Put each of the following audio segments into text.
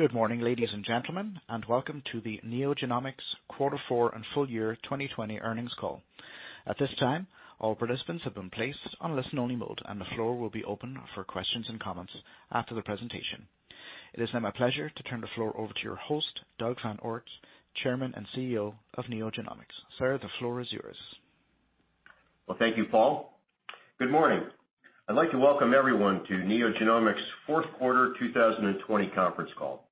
Good morning, ladies and gentlemen, and welcome to the NeoGenomics quarter four and full year 2020 earnings call. It is now my pleasure to turn the floor over to your host, Doug VanOort, Chairman and CEO of NeoGenomics. Sir, the floor is yours. Well, thank you, Paul. Good morning. I'd like to welcome everyone to NeoGenomics' fourth quarter 2020 conference call.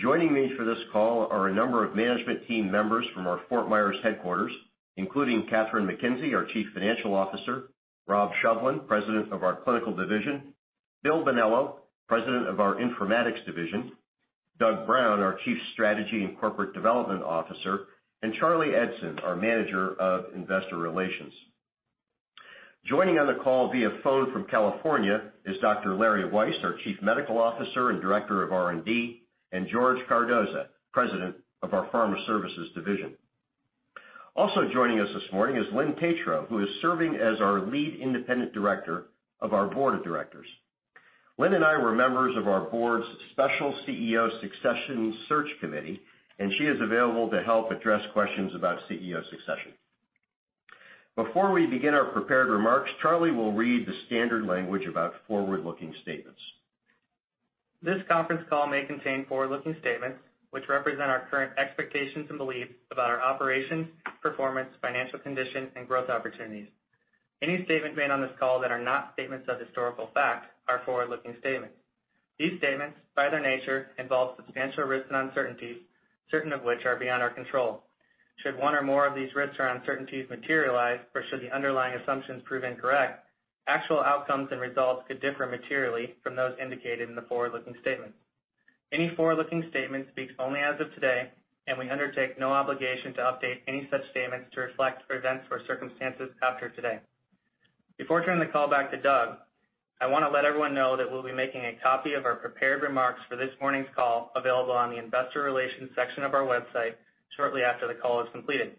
Joining me for this call are a number of management team members from our Fort Myers headquarters, including Kathryn McKenzie, our Chief Financial Officer, Rob Shovlin, President of our Clinical Division, Bill Bonello, President of our Informatics division, Doug Brown, our Chief Strategy and Corporate Development Officer, and Charlie Eidson, our Manager of Investor Relations. Joining on the call via phone from California is Dr. Larry Weiss, our Chief Medical Officer and Director of R&D, and George Cardoza, President of our Pharma Services division. Also joining us this morning is Lynn Tetrault, who is serving as our Lead Independent Director of our Board of Directors. Lynn and I were members of our board's special CEO Succession Search Committee, and she is available to help address questions about CEO succession. Before we begin our prepared remarks, Charlie will read the standard language about forward-looking statements. This conference call may contain forward-looking statements, which represent our current expectations and beliefs about our operations, performance, financial condition, and growth opportunities. Any statements made on this call that are not statements of historical fact are forward-looking statements. These statements, by their nature, involve substantial risks and uncertainties, certain of which are beyond our control. Should one or more of these risks or uncertainties materialize, or should the underlying assumptions prove incorrect, actual outcomes and results could differ materially from those indicated in the forward-looking statements. Any forward-looking statements speak only as of today, and we undertake no obligation to update any such statements to reflect events or circumstances after today. Before turning the call back to Doug, I want to let everyone know that we'll be making a copy of our prepared remarks for this morning's call available on the investor relations section of our website shortly after the call is completed.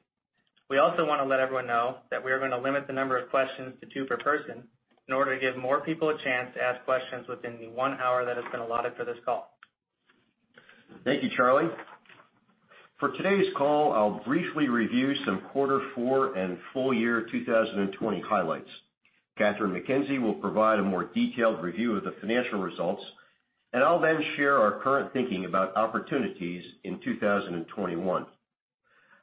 We also want to let everyone know that we are going to limit the number of questions to two per person in order to give more people a chance to ask questions within the one hour that has been allotted for this call. Thank you, Charlie. For today's call, I'll briefly review some quarter four and full year 2020 highlights. Kathryn McKenzie will provide a more detailed review of the financial results, and I'll then share our current thinking about opportunities in 2021.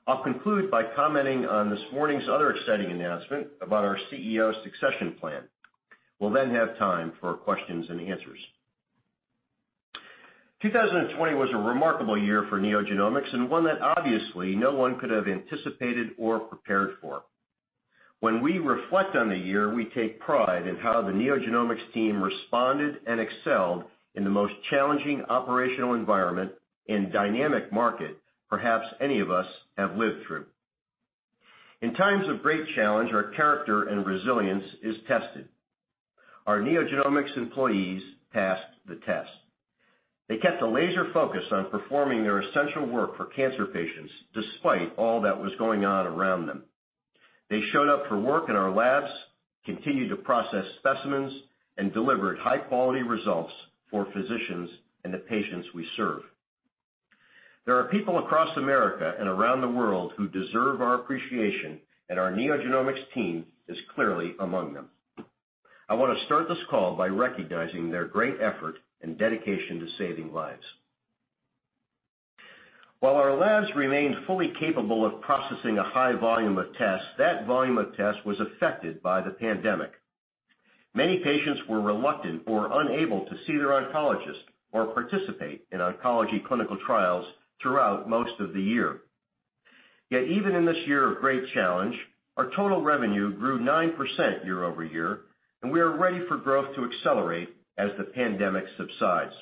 I'll conclude by commenting on this morning's other exciting announcement about our CEO succession plan. We'll then have time for questions and answers. 2020 was a remarkable year for NeoGenomics, and one that obviously no one could have anticipated or prepared for. When we reflect on the year, we take pride in how the NeoGenomics team responded and excelled in the most challenging operational environment and dynamic market perhaps any of us have lived through. In times of great challenge, our character and resilience is tested. Our NeoGenomics employees passed the test. They kept a laser focus on performing their essential work for cancer patients, despite all that was going on around them. They showed up for work in our labs, continued to process specimens, and delivered high-quality results for physicians and the patients we serve. There are people across America and around the world who deserve our appreciation, and our NeoGenomics team is clearly among them. I want to start this call by recognizing their great effort and dedication to saving lives. While our labs remained fully capable of processing a high volume of tests, that volume of tests was affected by the pandemic. Many patients were reluctant or unable to see their oncologist or participate in oncology clinical trials throughout most of the year. Yet even in this year of great challenge, our total revenue grew 9% year-over-year, and we are ready for growth to accelerate as the pandemic subsides.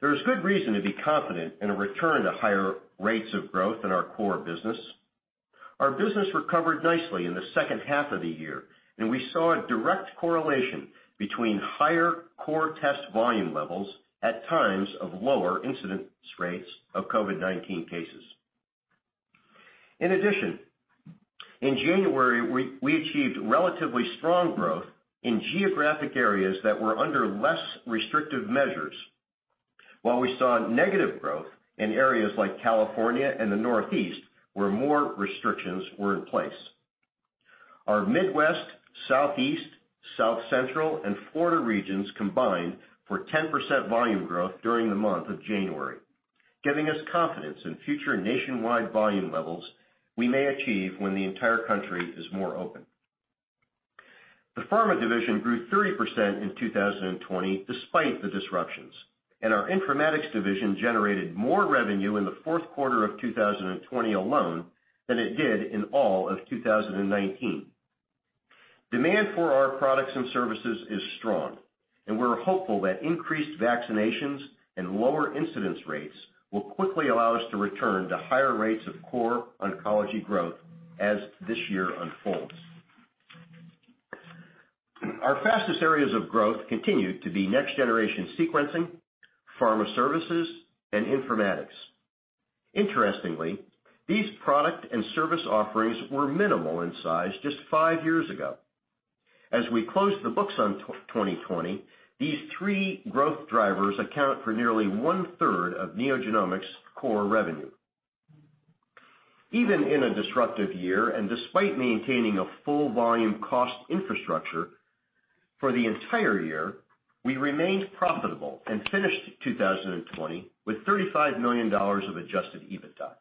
There is good reason to be confident in a return to higher rates of growth in our core business. Our business recovered nicely in the second half of the year, and we saw a direct correlation between higher core test volume levels at times of lower incidence rates of COVID-19 cases. In addition, in January, we achieved relatively strong growth in geographic areas that were under less restrictive measures. While we saw negative growth in areas like California and the Northeast, where more restrictions were in place. Our Midwest, Southeast, South Central, and Florida regions combined for 10% volume growth during the month of January, giving us confidence in future nationwide volume levels we may achieve when the entire country is more open. The Pharma division grew 30% in 2020 despite the disruptions, and our Informatics division generated more revenue in the fourth quarter of 2020 alone than it did in all of 2019. Demand for our products and services is strong, and we're hopeful that increased vaccinations and lower incidence rates will quickly allow us to return to higher rates of core oncology growth as this year unfolds. Our fastest areas of growth continue to be next-generation sequencing, pharma services, and informatics. Interestingly, these product and service offerings were minimal in size just five years ago. As we close the books on 2020, these three growth drivers account for nearly 1/3 of NeoGenomics' core revenue. Even in a disruptive year, and despite maintaining a full volume cost infrastructure for the entire year, we remained profitable and finished 2020 with $35 million of adjusted EBITDA.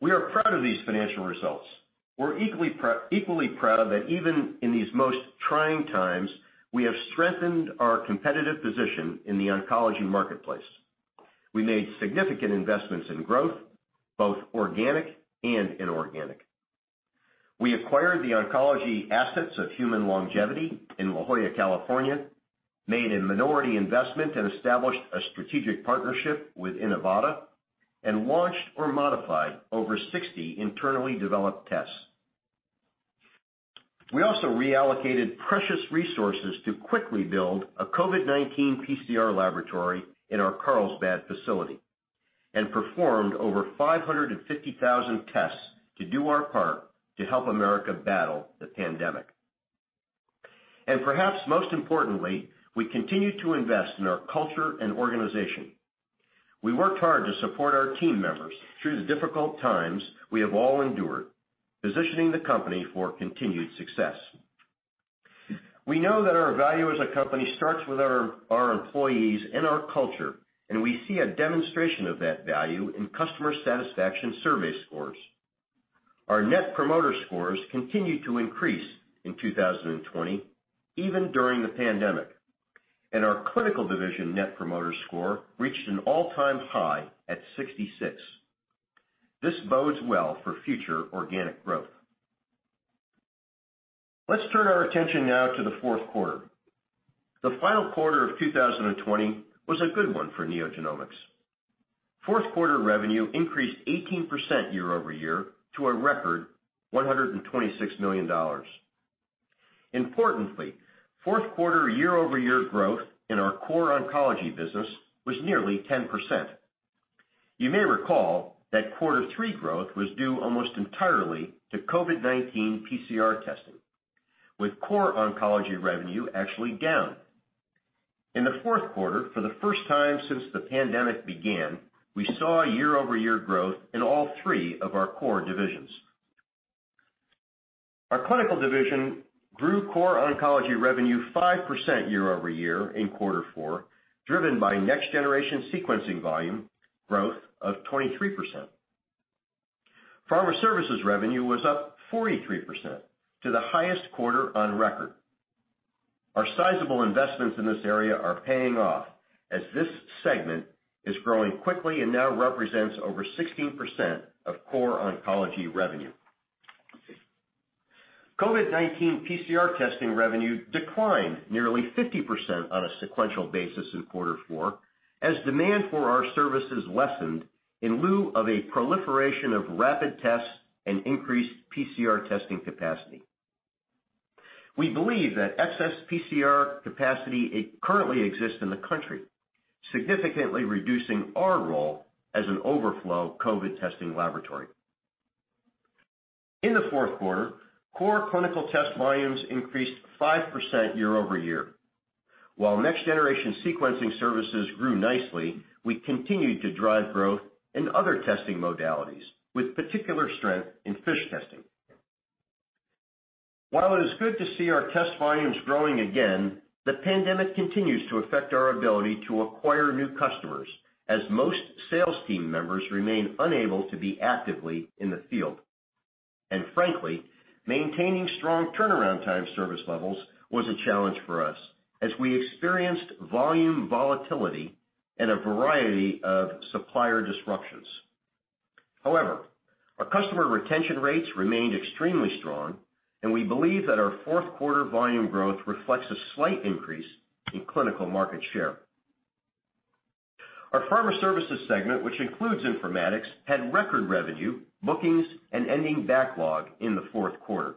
We are proud of these financial results. We're equally proud of that even in these most trying times, we have strengthened our competitive position in the oncology marketplace. We made significant investments in growth, both organic and inorganic. We acquired the oncology assets of Human Longevity in La Jolla, California, made a minority investment, and established a strategic partnership with Inivata, and launched or modified over 60 internally developed tests. We also reallocated precious resources to quickly build a COVID-19 PCR laboratory in our Carlsbad facility and performed over 550,000 tests to do our part to help America battle the pandemic. Perhaps most importantly, we continued to invest in our culture and organization. We worked hard to support our team members through the difficult times we have all endured, positioning the company for continued success. We know that our value as a company starts with our employees and our culture, and we see a demonstration of that value in customer satisfaction survey scores. Our Net Promoter Scores continued to increase in 2020, even during the pandemic, and our clinical division Net Promoter Score reached an all-time high at 66. This bodes well for future organic growth. Let's turn our attention now to the fourth quarter. The final quarter of 2020 was a good one for NeoGenomics. Fourth quarter revenue increased 18% year-over-year to a record $126 million. Importantly, fourth quarter year-over-year growth in our core oncology business was nearly 10%. You may recall that quarter three growth was due almost entirely to COVID-19 PCR testing, with core oncology revenue actually down. In the fourth quarter, for the first time since the pandemic began, we saw year-over-year growth in all three of our core divisions. Our Clinical Division grew core oncology revenue 5% year-over-year in quarter four, driven by next-generation sequencing volume growth of 23%. Pharma Services revenue was up 43% to the highest quarter on record. Our sizable investments in this area are paying off as this segment is growing quickly and now represents over 16% of core oncology revenue. COVID-19 PCR testing revenue declined nearly 50% on a sequential basis in quarter four as demand for our services lessened in lieu of a proliferation of rapid tests and increased PCR testing capacity. We believe that excess PCR capacity currently exists in the country, significantly reducing our role as an overflow COVID testing laboratory. In the fourth quarter, core clinical test volumes increased 5% year-over-year. While next-generation sequencing services grew nicely, we continued to drive growth in other testing modalities, with particular strength in FISH testing. While it is good to see our test volumes growing again, the pandemic continues to affect our ability to acquire new customers, as most sales team members remain unable to be actively in the field. Frankly, maintaining strong turnaround time service levels was a challenge for us as we experienced volume volatility and a variety of supplier disruptions. However, our customer retention rates remained extremely strong, and we believe that our fourth quarter volume growth reflects a slight increase in clinical market share. Our pharma services segment, which includes informatics, had record revenue, bookings, and ending backlog in the fourth quarter.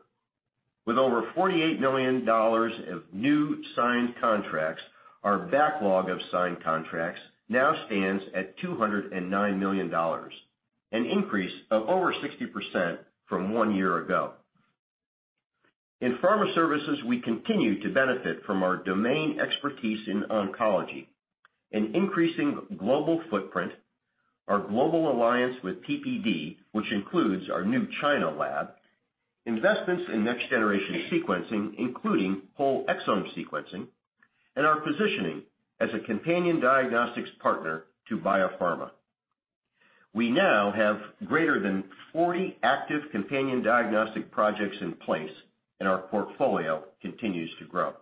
With over $48 million of new signed contracts, our backlog of signed contracts now stands at $209 million, an increase of over 60% from one year ago. In pharma services, we continue to benefit from our domain expertise in oncology, an increasing global footprint, our global alliance with PPD, which includes our new China lab, investments in next-generation sequencing, including whole exome sequencing, and our positioning as a companion diagnostics partner to biopharma. We now have greater than 40 active companion diagnostic projects in place, and our portfolio continues to grow.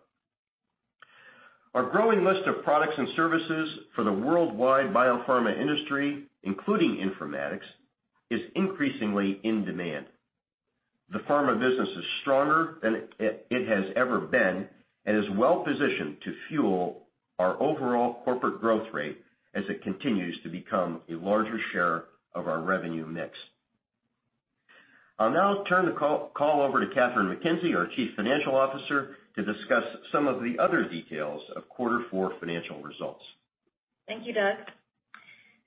Our growing list of products and services for the worldwide biopharma industry, including informatics, is increasingly in demand. The pharma business is stronger than it has ever been and is well-positioned to fuel our overall corporate growth rate as it continues to become a larger share of our revenue mix. I will now turn the call over to Kathryn McKenzie, our chief financial officer, to discuss some of the other details of quarter four financial results. Thank you, Doug.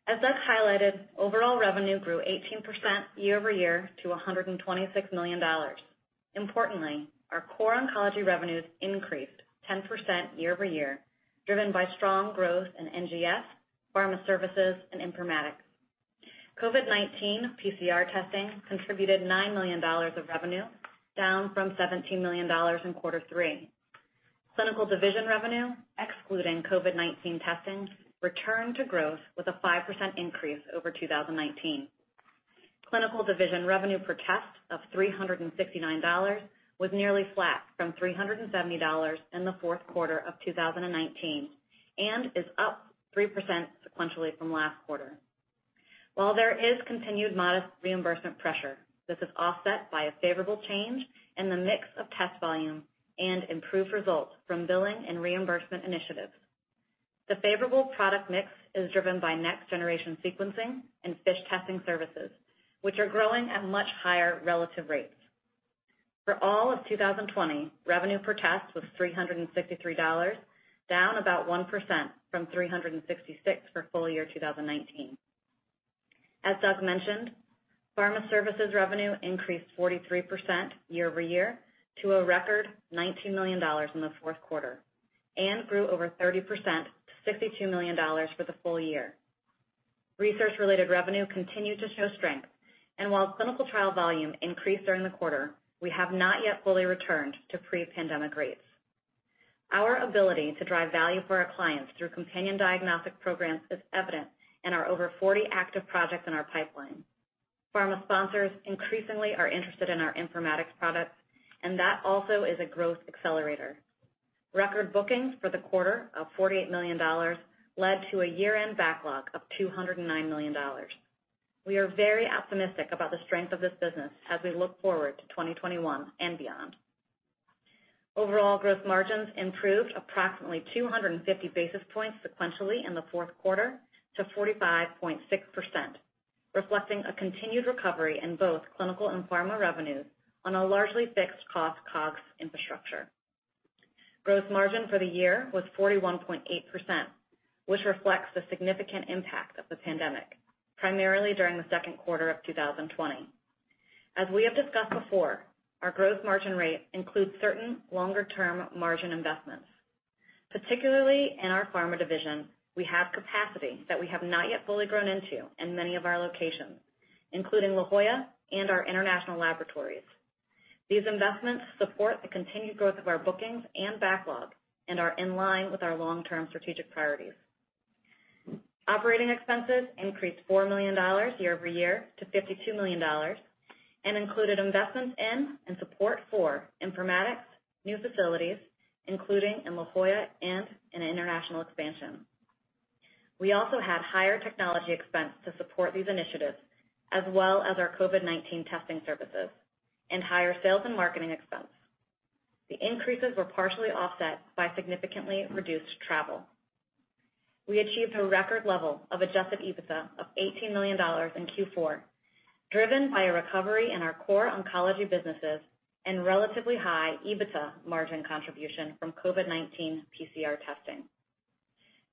As Doug highlighted, overall revenue grew 18% year-over-year to $126 million. Importantly, our core oncology revenues increased 10% year-over-year, driven by strong growth in NGS, pharma services, and informatics. COVID-19 PCR testing contributed $9 million of revenue, down from $17 million in quarter three. Clinical division revenue, excluding COVID-19 testing, returned to growth with a 5% increase over 2019. Clinical division revenue per test of $369 was nearly flat from $370 in the fourth quarter of 2019 and is up 3% sequentially from last quarter. While there is continued modest reimbursement pressure, this is offset by a favorable change in the mix of test volume and improved results from billing and reimbursement initiatives. The favorable product mix is driven by next-generation sequencing and FISH testing services, which are growing at much higher relative rates. For all of 2020, revenue per test was $363, down about 1% from $366 for full year 2019. As Doug mentioned, Pharma Services revenue increased 43% year-over-year to a record $19 million in the fourth quarter, and grew over 30% to $62 million for the full year. Research-related revenue continued to show strength, and while clinical trial volume increased during the quarter, we have not yet fully returned to pre-pandemic rates. Our ability to drive value for our clients through companion diagnostic programs is evident in our over 40 active projects in our pipeline. Pharma sponsors increasingly are interested in our informatics products. That also is a growth accelerator. Record bookings for the quarter of $48 million led to a year-end backlog of $209 million. We are very optimistic about the strength of this business as we look forward to 2021 and beyond. Overall gross margins improved approximately 250 basis points sequentially in the fourth quarter to 45.6%, reflecting a continued recovery in both clinical and Pharma revenues on a largely fixed-cost COGS infrastructure. Gross margin for the year was 41.8%, which reflects the significant impact of the pandemic, primarily during the second quarter of 2020. As we have discussed before, our gross margin rate includes certain longer-term margin investments. Particularly in our Pharma division, we have capacity that we have not yet fully grown into in many of our locations, including La Jolla and our international laboratories. These investments support the continued growth of our bookings and backlog and are in line with our long-term strategic priorities. Operating expenses increased $4 million year-over-year to $52 million and included investments in and support for informatics, new facilities, including in La Jolla and in international expansion. We also had higher technology expense to support these initiatives, as well as our COVID-19 testing services and higher sales and marketing expense. The increases were partially offset by significantly reduced travel. We achieved a record level of adjusted EBITDA of $18 million in Q4, driven by a recovery in our core oncology businesses and relatively high EBITDA margin contribution from COVID-19 PCR testing.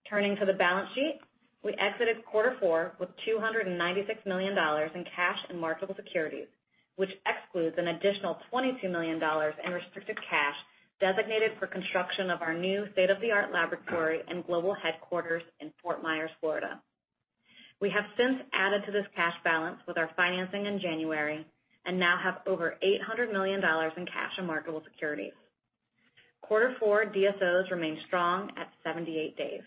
Turning to the balance sheet. We exited quarter four with $296 million in cash and marketable securities, which excludes an additional $22 million in restricted cash designated for construction of our new state-of-the-art laboratory and global headquarters in Fort Myers, Florida. We have since added to this cash balance with our financing in January and now have over $800 million in cash and marketable securities. Quarter four DSOs remain strong at 78 days.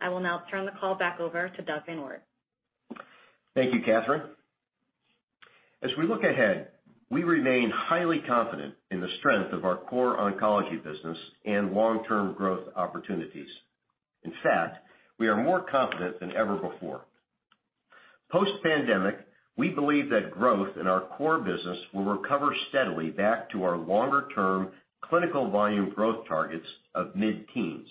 I will now turn the call back over to Doug VanOort. Thank you, Kathryn. As we look ahead, we remain highly confident in the strength of our core oncology business and long-term growth opportunities. In fact, we are more confident than ever before. Post pandemic, we believe that growth in our core business will recover steadily back to our longer-term clinical volume growth targets of mid-teens.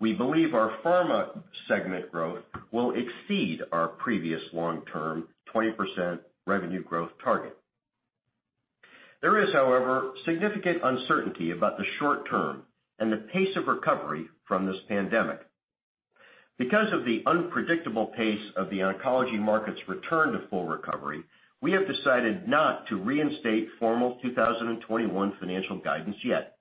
We believe our pharma segment growth will exceed our previous long-term 20% revenue growth target. There is, however, significant uncertainty about the short term and the pace of recovery from this pandemic. Because of the unpredictable pace of the oncology market's return to full recovery, we have decided not to reinstate formal 2021 financial guidance yet.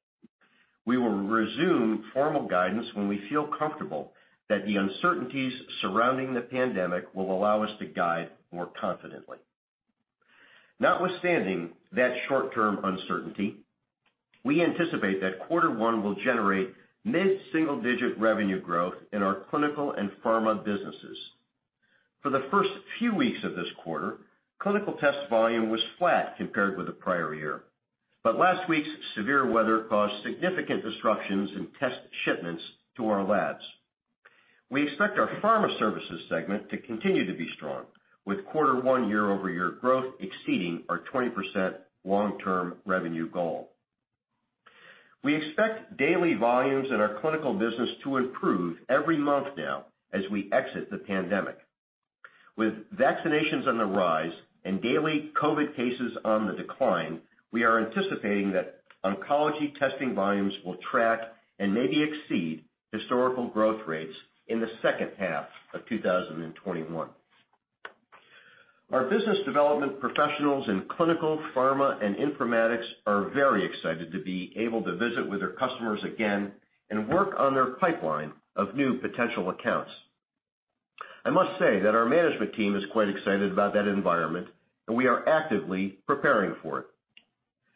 We will resume formal guidance when we feel comfortable that the uncertainties surrounding the pandemic will allow us to guide more confidently. Notwithstanding that short-term uncertainty, we anticipate that quarter one will generate mid-single-digit revenue growth in our clinical and pharma businesses. For the first few weeks of this quarter, clinical test volume was flat compared with the prior year. Last week's severe weather caused significant disruptions in test shipments to our labs. We expect our pharma services segment to continue to be strong, with quarter one year-over-year growth exceeding our 20% long-term revenue goal. We expect daily volumes in our clinical business to improve every month now as we exit the pandemic. With vaccinations on the rise and daily COVID cases on the decline, we are anticipating that oncology testing volumes will track and maybe exceed historical growth rates in the second half of 2021. Our business development professionals in clinical, pharma, and informatics are very excited to be able to visit with their customers again and work on their pipeline of new potential accounts. I must say that our management team is quite excited about that environment. We are actively preparing for it.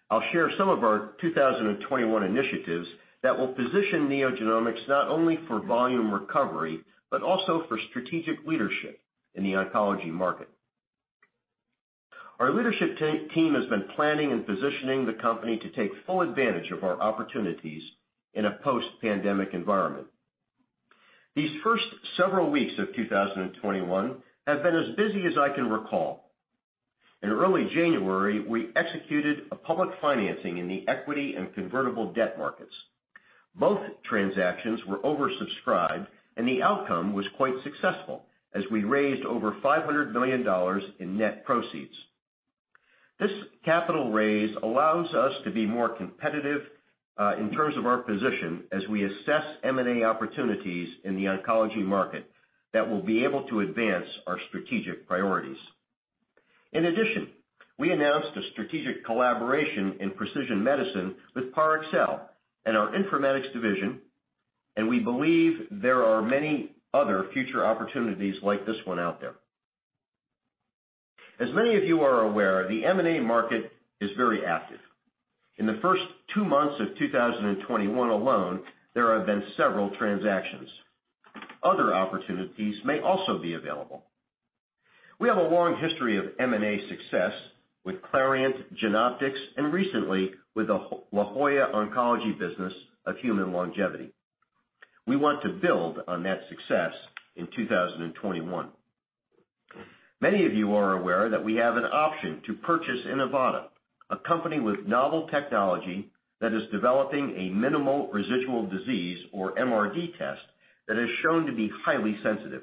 I'll share some of our 2021 initiatives that will position NeoGenomics not only for volume recovery, but also for strategic leadership in the oncology market. Our leadership team has been planning and positioning the company to take full advantage of our opportunities in a post-pandemic environment. These first several weeks of 2021 have been as busy as I can recall. In early January, we executed a public financing in the equity and convertible debt markets. Both transactions were oversubscribed. The outcome was quite successful, as we raised over $500 million in net proceeds. This capital raise allows us to be more competitive in terms of our position as we assess M&A opportunities in the oncology market that will be able to advance our strategic priorities. In addition, we announced a strategic collaboration in precision medicine with Parexel in our informatics division, and we believe there are many other future opportunities like this one out there. As many of you are aware, the M&A market is very active. In the first two months of 2021 alone, there have been several transactions. Other opportunities may also be available. We have a long history of M&A success with Clarient, Genoptix, and recently with the La Jolla Oncology business of Human Longevity. We want to build on that success in 2021. Many of you are aware that we have an option to purchase Inivata, a company with novel technology that is developing a minimal residual disease, or MRD test, that has shown to be highly sensitive.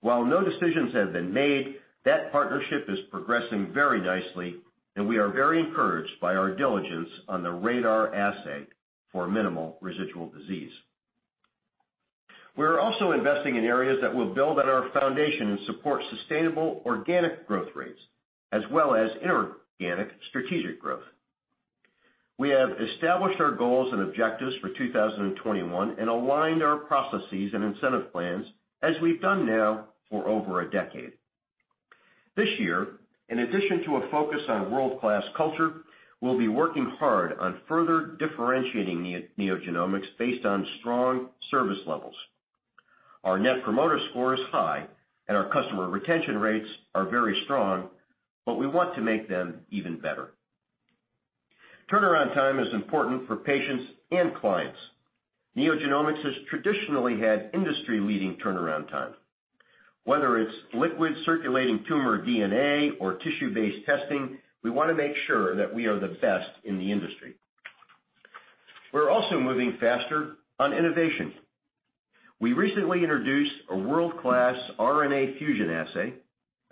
While no decisions have been made, that partnership is progressing very nicely, and we are very encouraged by our diligence on the RaDaR assay for minimal residual disease. We are also investing in areas that will build on our foundation and support sustainable organic growth rates, as well as inorganic strategic growth. We have established our goals and objectives for 2021 and aligned our processes and incentive plans as we've done now for over a decade. This year, in addition to a focus on world-class culture, we'll be working hard on further differentiating NeoGenomics based on strong service levels. Our Net Promoter Score is high and our customer retention rates are very strong, but we want to make them even better. Turnaround time is important for patients and clients. NeoGenomics has traditionally had industry-leading turnaround time. Whether it's liquid circulating tumor DNA or tissue-based testing, we want to make sure that we are the best in the industry. We're also moving faster on innovation. We recently introduced a world-class RNA fusion assay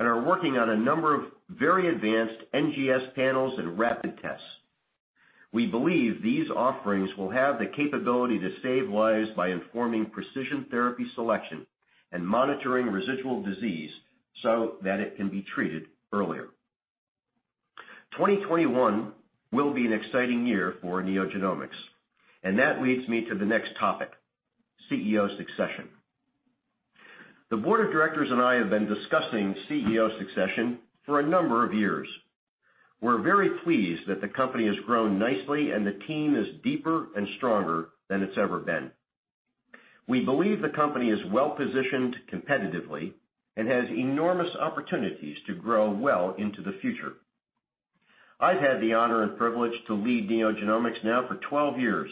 and are working on a number of very advanced NGS panels and rapid tests. We believe these offerings will have the capability to save lives by informing precision therapy selection and monitoring residual disease so that it can be treated earlier. 2021 will be an exciting year for NeoGenomics, and that leads me to the next topic, CEO succession. The board of directors and I have been discussing CEO succession for a number of years. We're very pleased that the company has grown nicely and the team is deeper and stronger than it's ever been. We believe the company is well-positioned competitively and has enormous opportunities to grow well into the future. I've had the honor and privilege to lead NeoGenomics now for 12 years,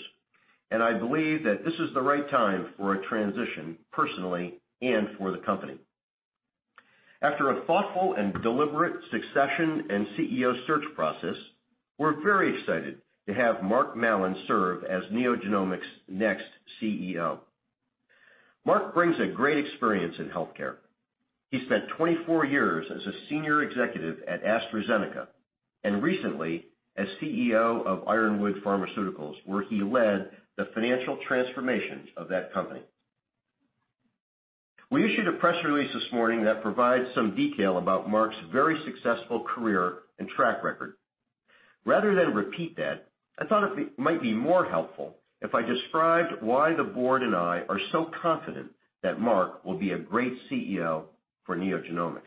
and I believe that this is the right time for a transition, personally and for the company. After a thoughtful and deliberate succession and CEO search process, we're very excited to have Mark Mallon serve as NeoGenomics' next CEO. Mark brings a great experience in healthcare. He spent 24 years as a senior executive at AstraZeneca, and recently as CEO of Ironwood Pharmaceuticals, where he led the financial transformation of that company. We issued a press release this morning that provides some detail about Mark's very successful career and track record. Rather than repeat that, I thought it might be more helpful if I described why the board and I are so confident that Mark will be a great CEO for NeoGenomics.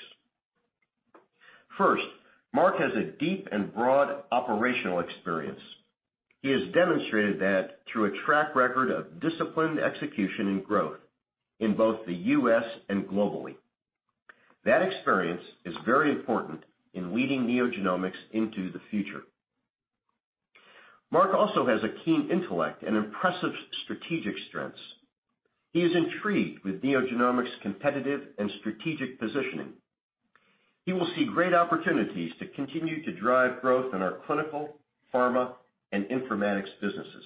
Mark has a deep and broad operational experience. He has demonstrated that through a track record of disciplined execution and growth in both the U.S. and globally. That experience is very important in leading NeoGenomics into the future. Mark also has a keen intellect and impressive strategic strengths. He is intrigued with NeoGenomics' competitive and strategic positioning. He will see great opportunities to continue to drive growth in our Clinical, Pharma, and Informatics businesses.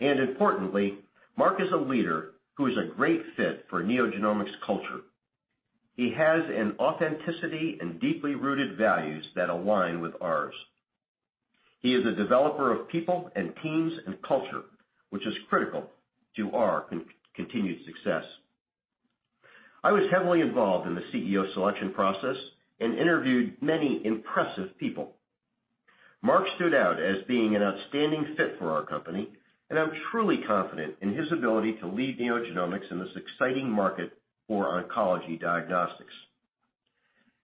Importantly, Mark is a leader who is a great fit for NeoGenomics' culture. He has an authenticity and deeply rooted values that align with ours. He is a developer of people and teams and culture, which is critical to our continued success. I was heavily involved in the CEO selection process and interviewed many impressive people. Mark stood out as being an outstanding fit for our company, and I'm truly confident in his ability to lead NeoGenomics in this exciting market for oncology diagnostics.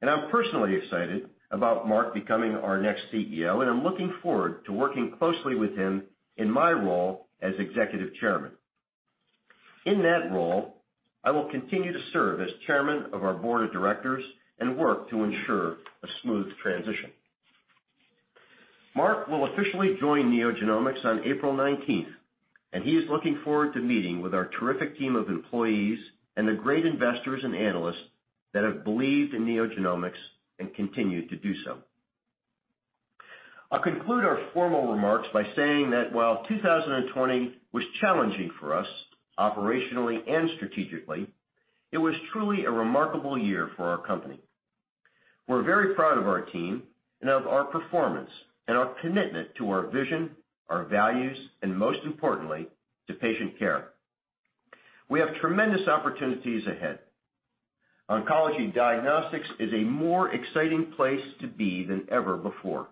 I'm personally excited about Mark becoming our next CEO, and I'm looking forward to working closely with him in my role as executive chairman. In that role, I will continue to serve as chairman of our board of directors and work to ensure a smooth transition. Mark will officially join NeoGenomics on April 19th, and he is looking forward to meeting with our terrific team of employees and the great investors and analysts that have believed in NeoGenomics and continue to do so. I'll conclude our formal remarks by saying that while 2020 was challenging for us operationally and strategically, it was truly a remarkable year for our company. We're very proud of our team and of our performance and our commitment to our vision, our values, and most importantly, to patient care. We have tremendous opportunities ahead. oncology diagnostics is a more exciting place to be than ever before.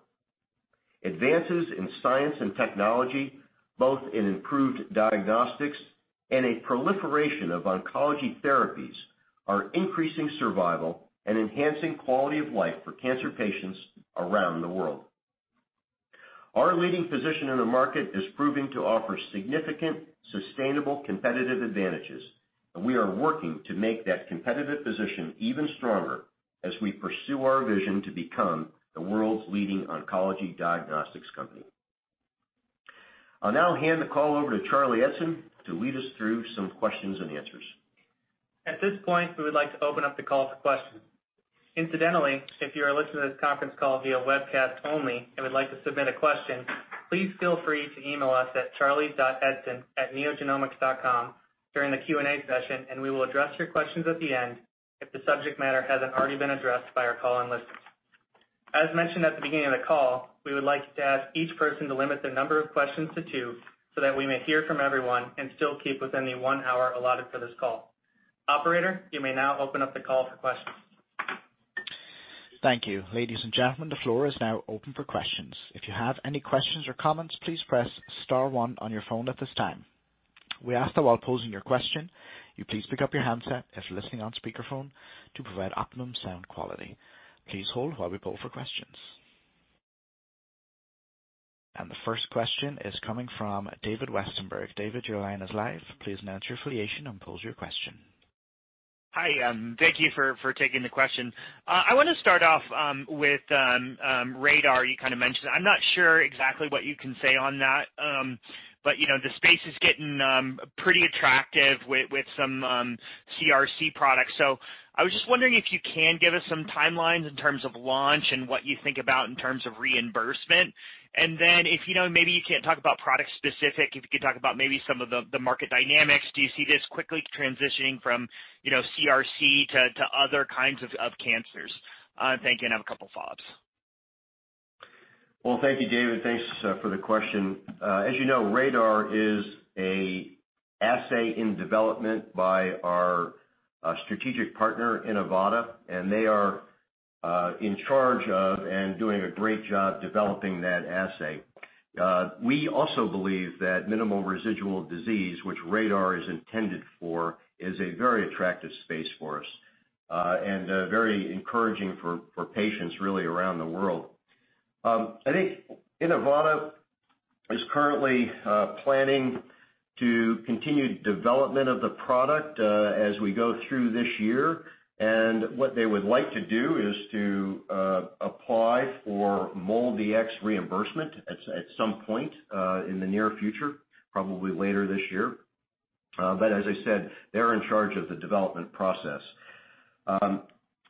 Advances in science and technology, both in improved diagnostics and a proliferation of oncology therapies, are increasing survival and enhancing quality of life for cancer patients around the world. Our leading position in the market is proving to offer significant, sustainable competitive advantages, and we are working to make that competitive position even stronger as we pursue our vision to become the world's leading oncology diagnostics company. I'll now hand the call over to Charlie Eidson to lead us through some questions and answers. At this point, we would like to open up the call for questions. Incidentally, if you are listening to this conference call via webcast only and would like to submit a question, please feel free to email us at charlie.eidson@neogenomics.com during the Q&A session and we will address your questions at the end if the subject matter hasn't already been addressed by our call-in list. As mentioned at the beginning of the call, we would like to ask each person to limit their number of questions to two so that we may hear from everyone and still keep within the one hour allotted for this call. Operator, you may now open up the call for questions. Thank you. Ladies and gentlemen, the floor is now open for questions. If you have any questions or comments, please press star one on your phone at this time. We ask that while posing your question, you please pick up your handset if listening on speakerphone to provide optimum sound quality. Please hold while we poll for questions. The first question is coming from David Westenberg. David, your line is live. Please announce your affiliation and pose your question. Thank you for taking the question. I want to start off with RaDaR, you kind of mentioned. I'm not sure exactly what you can say on that. The space is getting pretty attractive with some CRC products. I was just wondering if you can give us some timelines in terms of launch and what you think about in terms of reimbursement. If, maybe you can't talk about product specific, if you could talk about maybe some of the market dynamics. Do you see this quickly transitioning from CRC to other kinds of cancers? Thank you, and I have a couple of follow-ups. Well, thank you, David. Thanks for the question. As you know, RaDaR is an assay in development by our strategic partner, Inivata, and they are in charge of and doing a great job developing that assay. We also believe that minimal residual disease, which RaDaR is intended for, is a very attractive space for us, and very encouraging for patients really around the world. I think Inivata is currently planning to continue development of the product as we go through this year. What they would like to do is to apply for MolDX reimbursement at some point in the near future, probably later this year. As I said, they're in charge of the development process.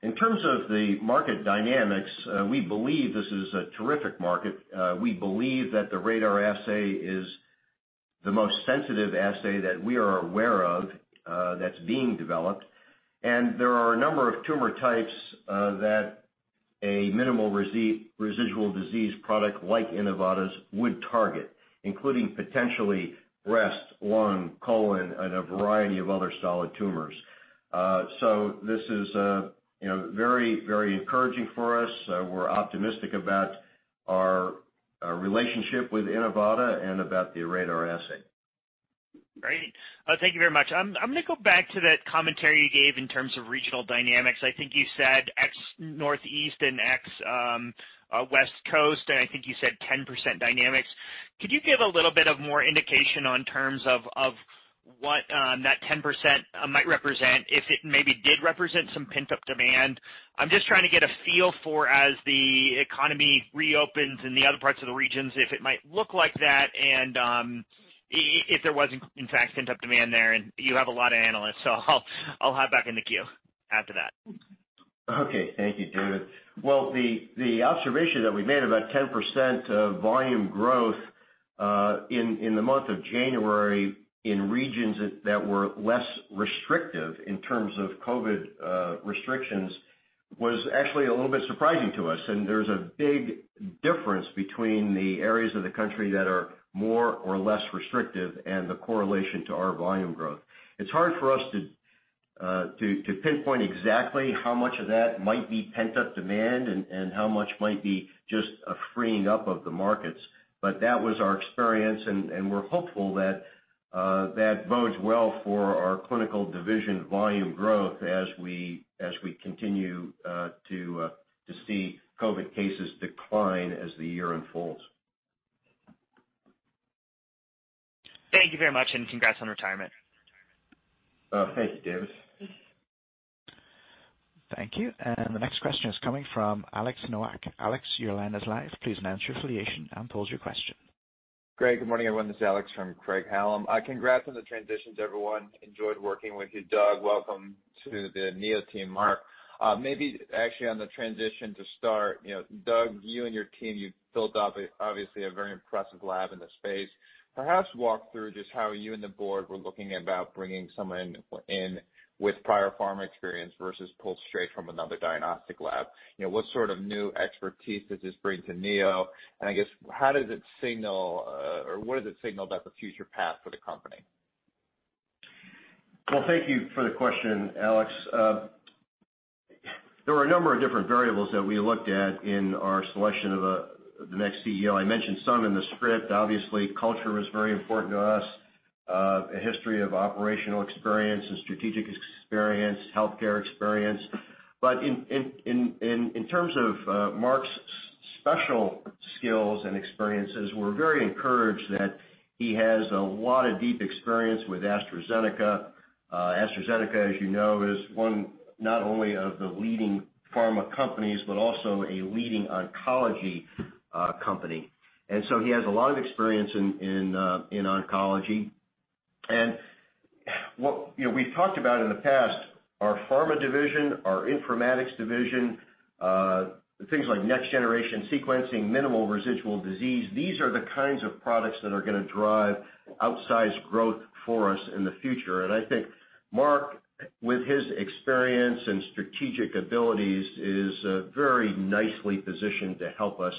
In terms of the market dynamics, we believe this is a terrific market. We believe that the RaDaR assay is the most sensitive assay that we are aware of that's being developed. There are a number of tumor types that a minimal residual disease product like Inivata's would target, including potentially breast, lung, colon, and a variety of other solid tumors. This is very encouraging for us. We're optimistic about our relationship with Inivata and about the RaDaR assay. Thank you very much. I'm going to go back to that commentary you gave in terms of regional dynamics. I think you said ex-Northeast and ex West Coast, and I think you said 10% dynamics. Could you give a little bit of more indication on terms of what that 10% might represent if it maybe did represent some pent-up demand? I'm just trying to get a feel for as the economy reopens in the other parts of the regions, if it might look like that and if there was in fact pent-up demand there, and you have a lot of analysts, so I'll hop back in the queue after that. Thank you, David. Well, the observation that we made about 10% of volume growth in the month of January in regions that were less restrictive in terms of COVID restrictions, was actually a little bit surprising to us, and there's a big difference between the areas of the country that are more or less restrictive and the correlation to our volume growth. It's hard for us to pinpoint exactly how much of that might be pent-up demand and how much might be just a freeing up of the markets. That was our experience, and we're hopeful that bodes well for our clinical division volume growth as we continue to see COVID cases decline as the year unfolds. Thank you very much, and congrats on retirement. Thank you, David. Thank you. The next question is coming from Alex Nowak. Alex, your line is live. Please state your affiliation and pose your question. Greg, good morning, everyone. This is Alex from Craig-Hallum. Congrats on the transitions, everyone. Enjoyed working with you, Doug. Welcome to the Neo team, Mark. Maybe actually on the transition to start, Doug, you and your team, you've built up, obviously, a very impressive lab in the space. Perhaps walk through just how you and the board were looking about bringing someone in with prior pharma experience versus pulled straight from another diagnostic lab. What sort of new expertise does this bring to Neo? I guess, how does it signal, or what does it signal about the future path for the company? Well, thank you for the question, Alex. There were a number of different variables that we looked at in our selection of the next CEO. I mentioned some in the script. Obviously, culture was very important to us. A history of operational experience, strategic experience, healthcare experience. In terms of Mark's special skills and experiences, we're very encouraged that he has a lot of deep experience with AstraZeneca. AstraZeneca, as you know, is one not only of the leading pharma companies, but also a leading oncology company. He has a lot of experience in oncology. What we've talked about in the past, our Pharma Services Division, our Informatics division, things like next-generation sequencing, minimal residual disease, these are the kinds of products that are going to drive outsized growth for us in the future. I think Mark, with his experience and strategic abilities, is very nicely positioned to help us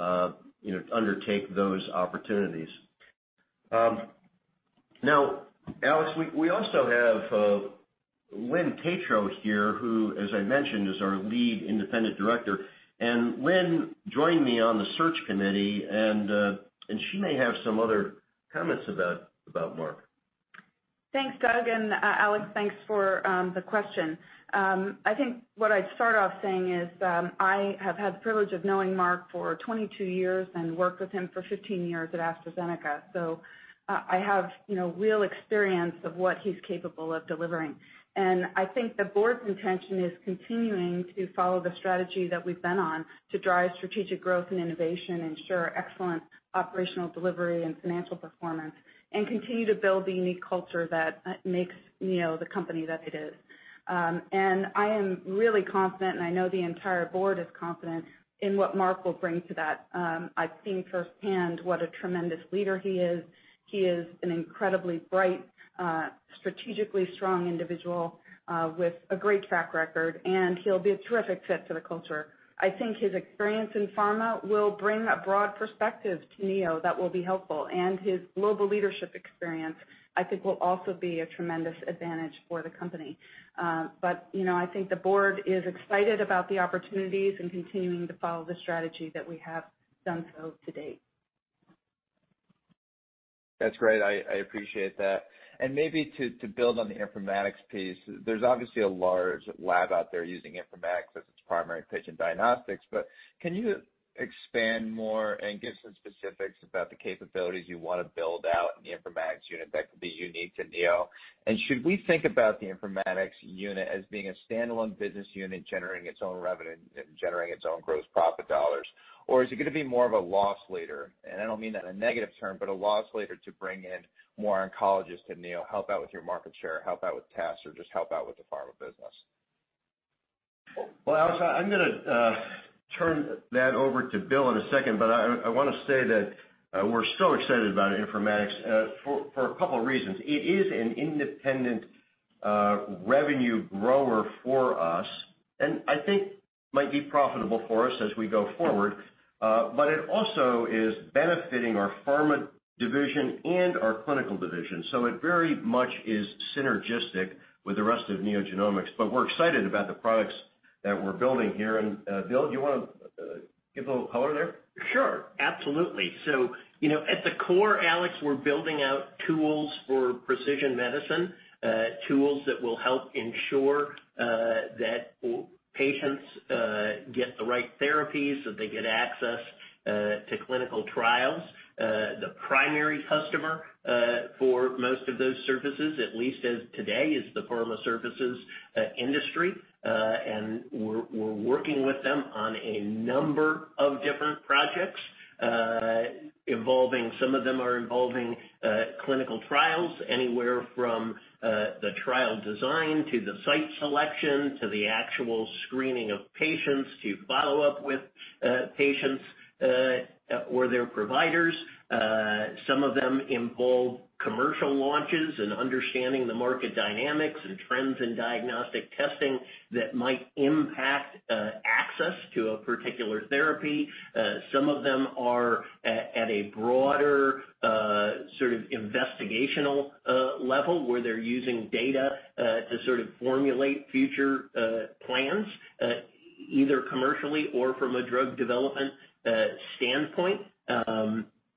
undertake those opportunities. Now, Alex, we also have Lynn Tetrault here, who as I mentioned, is our Lead Independent Director. Lynn joined me on the search committee, and she may have some other comments about Mark. Thanks, Doug. Alex, thanks for the question. I think what I'd start off saying is, I have had the privilege of knowing Mark for 22 years and worked with him for 15 years at AstraZeneca. I have real experience of what he's capable of delivering. I think the board's intention is continuing to follow the strategy that we've been on to drive strategic growth and innovation, ensure excellent operational delivery and financial performance, and continue to build the unique culture that makes Neo the company that it is. I am really confident, and I know the entire board is confident in what Mark will bring to that. I've seen firsthand what a tremendous leader he is. He is an incredibly bright, strategically strong individual, with a great track record, and he'll be a terrific fit for the culture. I think his experience in pharma will bring a broad perspective to Neo that will be helpful, and his global leadership experience, I think, will also be a tremendous advantage for the company. I think the board is excited about the opportunities and continuing to follow the strategy that we have done so to date. That's great. I appreciate that. Maybe to build on the Informatics piece, there's obviously a large lab out there using informatics as its primary patient diagnostics, but can you expand more and give some specifics about the capabilities you want to build out in the Informatics unit that could be unique to Neo? Should we think about the Informatics unit as being a standalone business unit, generating its own revenue, generating its own gross profit dollars? Is it going to be more of a loss leader? I don't mean that in a negative term, but a loss leader to bring in more oncologists to Neo, help out with your market share, help out with tasks, or just help out with the pharma business. Alex, I'm going to turn that over to Bill in a second, but I want to say that we're so excited about Informatics for a couple of reasons. It is an independent revenue grower for us, and I think might be profitable for us as we go forward. It also is benefiting our Pharma Division and our Clinical Division. It very much is synergistic with the rest of NeoGenomics, but we're excited about the products that we're building here. Bill, do you want to give a little color there? At the core, Alex, we're building out tools for precision medicine. Tools that will help ensure that patients get the right therapies, that they get access to clinical trials. The primary customer for most of those services, at least as today, is the pharma services industry. We're working with them on a number of different projects. Some of them are involving clinical trials, anywhere from The trial design to the site selection, to the actual screening of patients, to follow up with patients or their providers. Some of them involve commercial launches and understanding the market dynamics and trends in diagnostic testing that might impact access to a particular therapy. Some of them are at a broader, sort of investigational level, where they're using data to sort of formulate future plans, either commercially or from a drug development standpoint.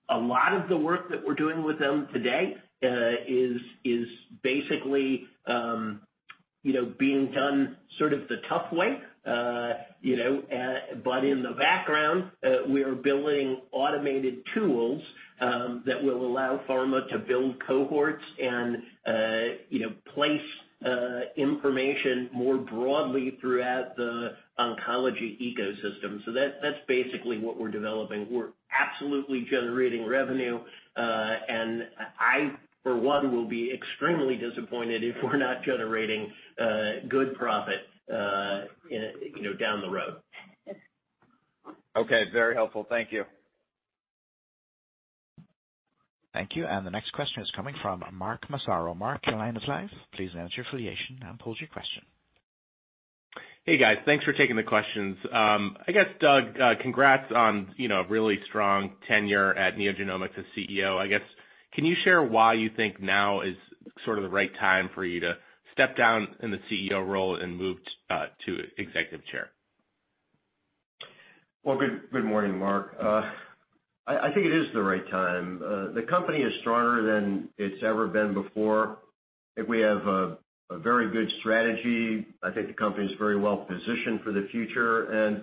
A lot of the work that we're doing with them today is basically being done sort of the tough way. In the background, we are building automated tools that will allow pharma to build cohorts and place information more broadly throughout the oncology ecosystem. That's basically what we're developing. We're absolutely generating revenue. I, for one, will be extremely disappointed if we're not generating good profit down the road. Very helpful. Thank you. Thank you. The next question is coming from Mark Massaro. Mark, your line is live. Please state your affiliation and pose your question. Hey, guys. Thanks for taking the questions. I guess, Doug, congrats on a really strong tenure at NeoGenomics as CEO. I guess, can you share why you think now is sort of the right time for you to step down in the CEO role and move to Executive Chair? Well, good morning, Mark. I think it is the right time. The company is stronger than it's ever been before. I think we have a very good strategy. I think the company's very well positioned for the future, and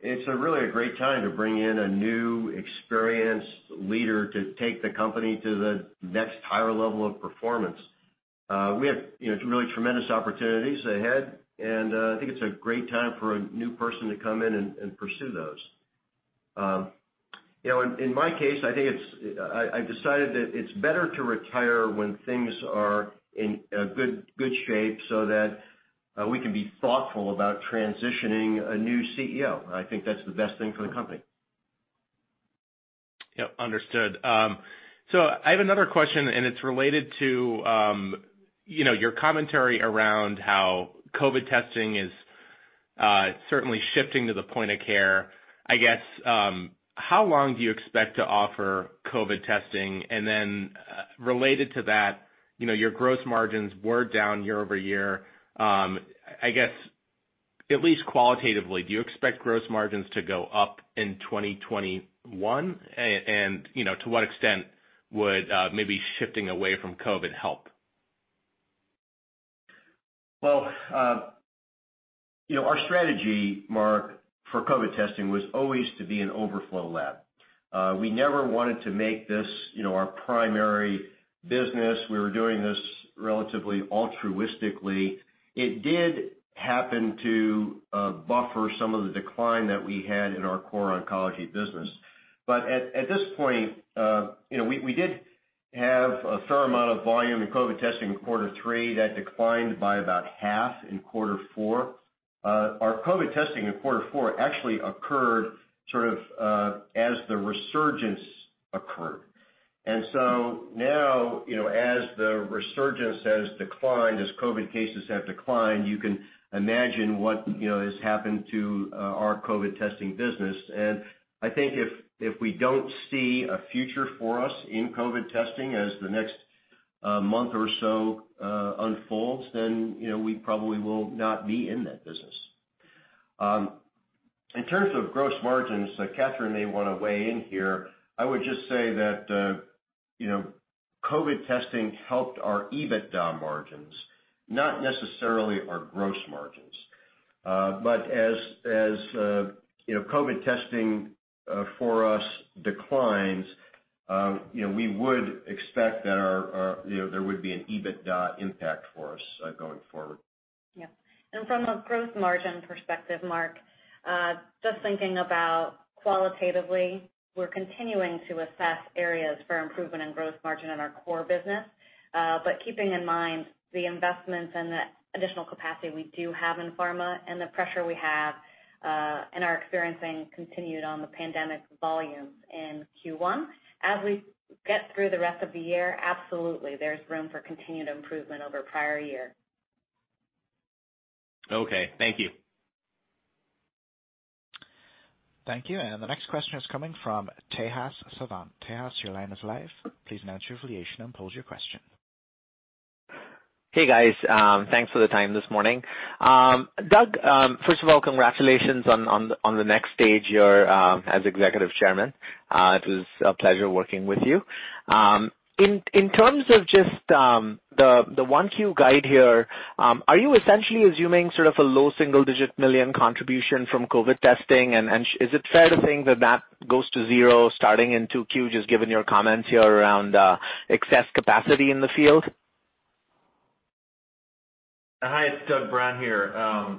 it's really a great time to bring in a new experienced leader to take the company to the next higher level of performance. We have really tremendous opportunities ahead, and I think it's a great time for a new person to come in and pursue those. In my case, I decided that it's better to retire when things are in good shape, so that we can be thoughtful about transitioning a new CEO. I think that's the best thing for the company. Understood. I have another question, and it's related to your commentary around how COVID testing is certainly shifting to the point of care. I guess, how long do you expect to offer COVID testing? Related to that, your gross margins were down year-over-year. I guess, at least qualitatively, do you expect gross margins to go up in 2021? To what extent would maybe shifting away from COVID help? Well, our strategy, Mark, for COVID testing was always to be an overflow lab. We never wanted to make this our primary business. We were doing this relatively altruistically. It did happen to buffer some of the decline that we had in our core oncology business. At this point, we did have a fair amount of volume in COVID testing in quarter three that declined by about half in quarter four. Our COVID testing in quarter four actually occurred sort of as the resurgence occurred. Now, as the resurgence has declined, as COVID cases have declined, you can imagine what has happened to our COVID testing business. I think if we don't see a future for us in COVID testing as the next month or so unfolds, then we probably will not be in that business. In terms of gross margins, Kathryn may want to weigh in here. I would just say that COVID testing helped our EBITDA margins, not necessarily our gross margins. As COVID testing for us declines, we would expect that there would be an EBITDA impact for us going forward. From a gross margin perspective, Mark, just thinking about qualitatively, we're continuing to assess areas for improvement in gross margin in our core business. Keeping in mind the investments and the additional capacity we do have in pharma and the pressure we have and are experiencing continued on the pandemic volumes in Q1. As we get through the rest of the year, absolutely, there's room for continued improvement over prior year. Thank you. Thank you. The next question is coming from Tejas Savant. Tejas, your line is live. Please state your affiliation and pose your question. Thanks for the time this morning. Doug, first of all, congratulations on the next stage as Executive Chairman. It was a pleasure working with you. In terms of just the 1Q guide here, are you essentially assuming sort of a low single-digit million contribution from COVID testing? Is it fair to think that that goes to zero starting in 2Q, just given your comments here around excess capacity in the field? Hi, it's Doug Brown here.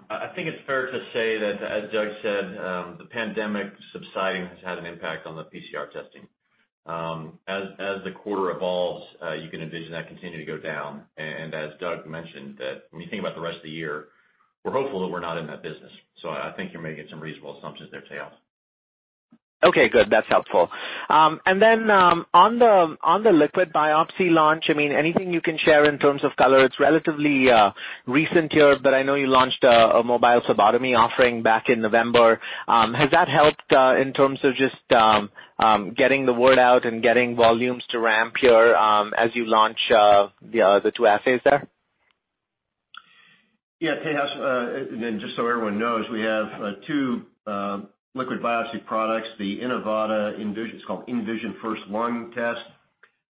I think it's fair to say that, as Doug said, the pandemic subsiding has had an impact on the PCR testing. As the quarter evolves, you can envision that continuing to go down. As Doug mentioned, when you think about the rest of the year, we're hopeful that we're not in that business. I think you're making some reasonable assumptions there, Tejas. That's helpful. On the liquid biopsy launch, anything you can share in terms of color? It's relatively recent here, but I know you launched a mobile phlebotomy offering back in November. Has that helped in terms of just getting the word out and getting volumes to ramp here as you launch the two assays there? Tejas, just so everyone knows, we have two liquid biopsy products, the Inivata, it's called InVisionFirst-Lung,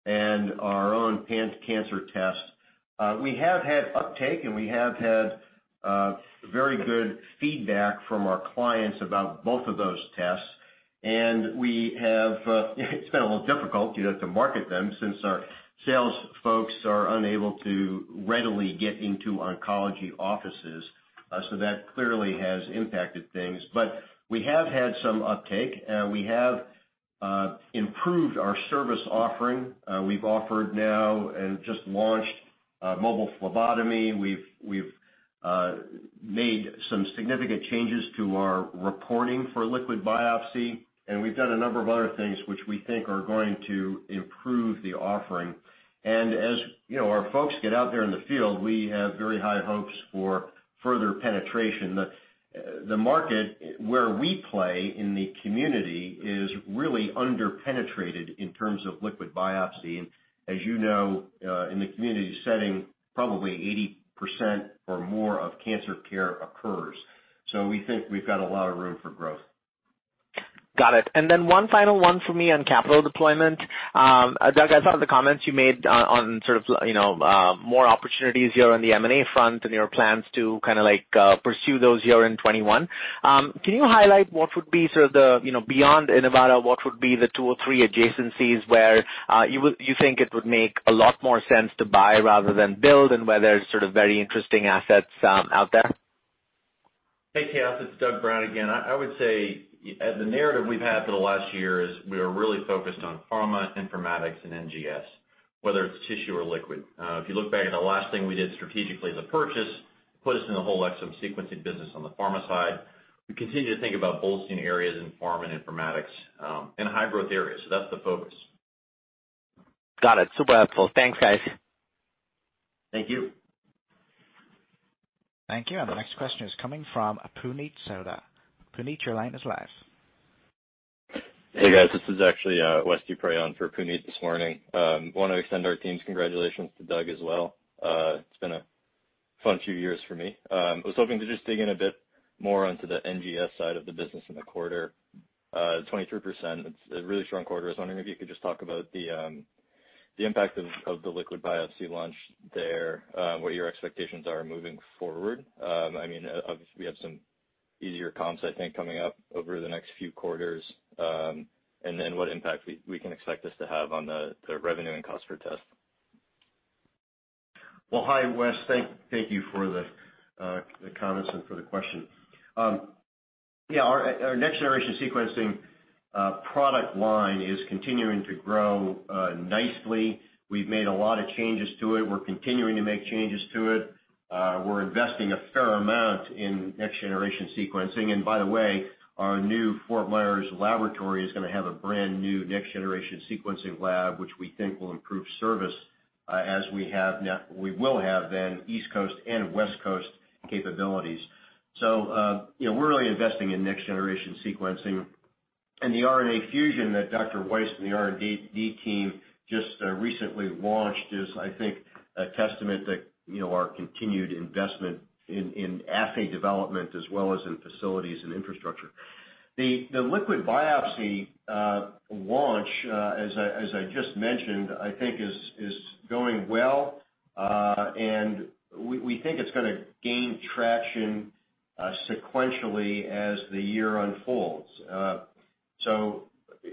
and our own pan-cancer test. We have had uptake, and we have had very good feedback from our clients about both of those tests, and it's been a little difficult to market them since our sales folks are unable to readily get into oncology offices. That clearly has impacted things. We have had some uptake. We have improved our service offering. We've offered now and just launched mobile phlebotomy. We've made some significant changes to our reporting for liquid biopsy, and we've done a number of other things which we think are going to improve the offering. As our folks get out there in the field, we have very high hopes for further penetration. The market where we play in the community is really under-penetrated in terms of liquid biopsy. As you know, in the community setting, probably 80% or more of cancer care occurs. We think we've got a lot of room for growth. One final one for me on capital deployment. Doug, I saw the comments you made on more opportunities here on the M&A front and your plans to pursue those here in 2021. Can you highlight what would be, beyond Inivata, what would be the two or three adjacencies where you think it would make a lot more sense to buy rather than build, and where there's very interesting assets out there? Hey, Tejas. It's Doug Brown again. I would say, the narrative we've had for the last year is we are really focused on pharma, informatics, and NGS, whether it's tissue or liquid. If you look back at the last thing we did strategically as a purchase, it put us in the whole exome sequencing business on the pharma side. We continue to think about bolstering areas in pharma and informatics, and high growth areas. That's the focus. Super helpful. Thanks, guys. Thank you. Thank you. The next question is coming from Puneet Souda. Puneet, your line is live. Hey, guys. This is actually Wes Dupre on for Puneet this morning. I want to extend our team's congratulations to Doug as well. It's been a fun few years for me. I was hoping to just dig in a bit more onto the NGS side of the business in the quarter. 23%, it's a really strong quarter. I was wondering if you could just talk about the impact of the liquid biopsy launch there, what your expectations are moving forward. Obviously, we have some easier comps, I think, coming up over the next few quarters, and then what impact we can expect this to have on the revenue and cost per test. Well, hi, Wes. Thank you for the comments and for the question. Our next-generation sequencing product line is continuing to grow nicely. We've made a lot of changes to it. We're continuing to make changes to it. We're investing a fair amount in next-generation sequencing. By the way, our new Fort Myers laboratory is going to have a brand-new next-generation sequencing lab, which we think will improve service as we will have then East Coast and West Coast capabilities. We're really investing in next-generation sequencing. The RNA fusion that Dr. Weiss and the R&D team just recently launched is, I think, a testament to our continued investment in assay development as well as in facilities and infrastructure. The liquid biopsy launch, as I just mentioned, I think is going well. We think it's going to gain traction sequentially as the year unfolds.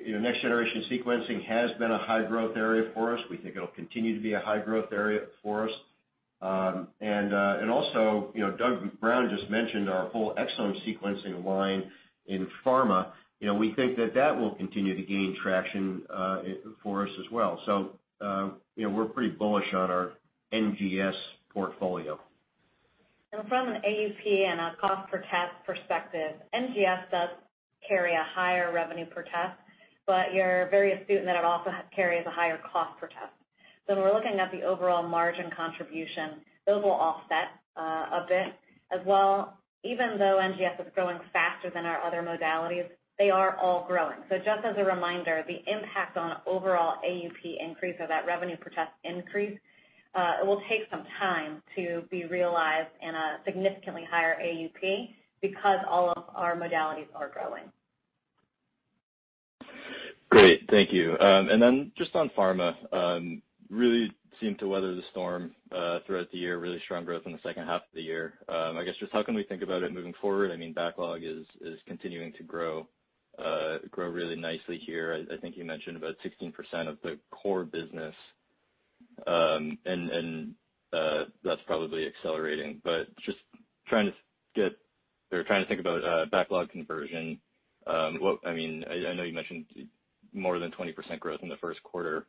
Next-generation sequencing has been a high-growth area for us. We think it'll continue to be a high-growth area for us. Doug Brown just mentioned our whole exome sequencing line in pharma. We think that that will continue to gain traction for us as well. We're pretty bullish on our NGS portfolio. From an AUP and a cost per test perspective, NGS does carry a higher revenue per test, you're very astute in that it also carries a higher cost per test. When we're looking at the overall margin contribution, those will offset a bit. As well, even though NGS is growing faster than our other modalities, they are all growing. Just as a reminder, the impact on overall AUP increase or that revenue per test increase, it will take some time to be realized in a significantly higher AUP because all of our modalities are growing. Thank you. Then just on pharma, really seemed to weather the storm throughout the year, really strong growth in the second half of the year. I guess just how can we think about it moving forward? Backlog is continuing to grow really nicely here. I think you mentioned about 16% of the core business, that's probably accelerating. Just trying to get or trying to think about backlog conversion. I know you mentioned more than 20% growth in the first quarter.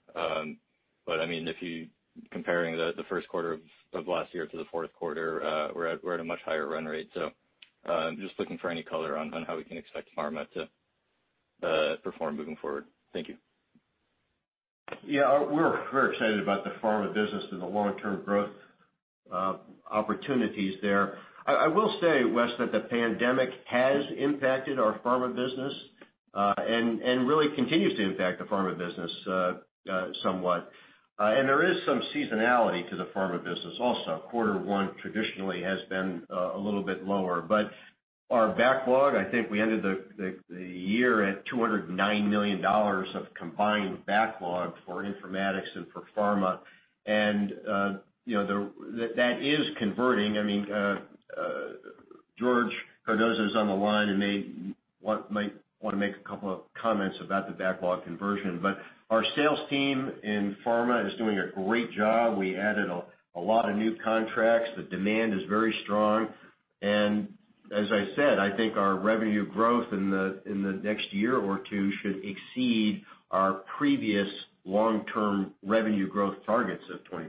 If you're comparing the first quarter of last year to the fourth quarter, we're at a much higher run rate. Just looking for any color on how we can expect pharma to perform moving forward. Thank you. We're very excited about the pharma business and the long-term growth opportunities there. I will say, Wes, that the pandemic has impacted our pharma business, and really continues to impact the pharma business somewhat. There is some seasonality to the pharma business also. Quarter one traditionally has been a little bit lower. Our backlog, I think we ended the year at $209 million of combined backlog for informatics and for pharma. That is converting. George Cardoza's on the line and may want to make a couple of comments about the backlog conversion. Our sales team in pharma is doing a great job. We added a lot of new contracts. The demand is very strong. As I said, I think our revenue growth in the next year or two should exceed our previous long-term revenue growth targets of 20%.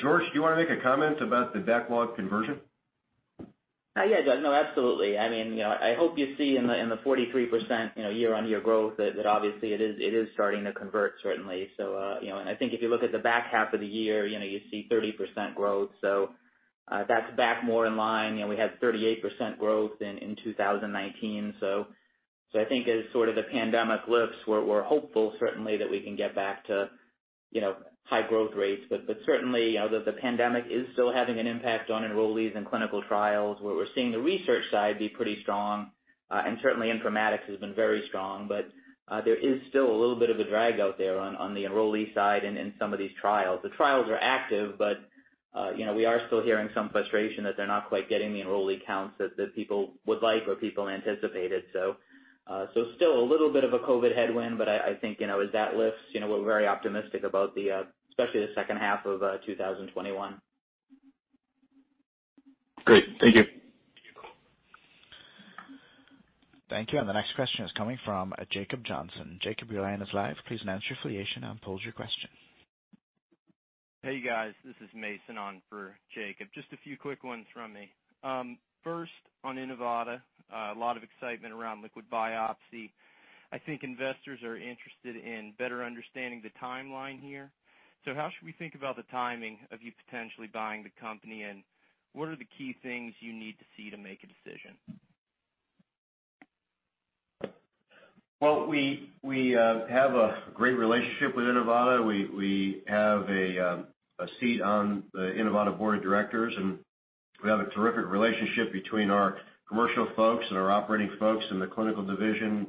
George, do you want to make a comment about the backlog conversion? Doug. Absolutely. I hope you see in the 43% year-on-year growth that obviously it is starting to convert, certainly. I think if you look at the back half of the year, you see 30% growth. That's back more in line. We had 38% growth in 2019. I think as the pandemic lifts, we're hopeful certainly that we can get back to high growth rates. Certainly, the pandemic is still having an impact on enrollees and clinical trials, where we're seeing the research side be pretty strong. Certainly, Informatics has been very strong. There is still a little bit of a drag out there on the enrollee side and in some of these trials. The trials are active, but we are still hearing some frustration that they're not quite getting the enrollee counts that people would like, or people anticipated. Still a little bit of a COVID headwind, but I think, as that lifts, we're very optimistic about especially the second half of 2021. Thank you. Thank you. The next question is coming from Jacob Johnson. Jacob, your line is live. Please announce your affiliation, and pose your question. Hey, guys. This is Mason on for Jacob. Just a few quick ones from me. First, on Inivata. A lot of excitement around liquid biopsy. I think investors are interested in better understanding the timeline here. How should we think about the timing of you potentially buying the company, and what are the key things you need to see to make a decision? Well, we have a great relationship with Inivata. We have a seat on the Inivata board of directors, and we have a terrific relationship between our commercial folks and our operating folks in the clinical division,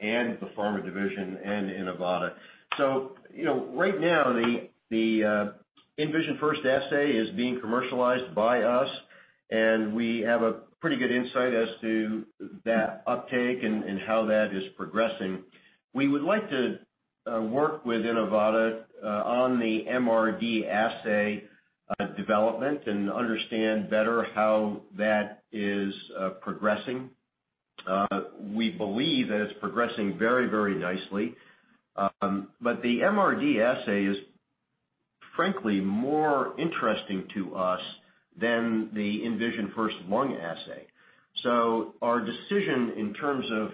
and the pharma division and Inivata. Right now, the InVisionFirst assay is being commercialized by us, and we have a pretty good insight as to that uptake and how that is progressing. We would like to work with Inivata on the MRD assay development and understand better how that is progressing. We believe that it's progressing very, very nicely. The MRD assay is frankly more interesting to us than the InVisionFirst-Lung assay. Our decision in terms of